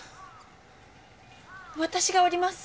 私がおります。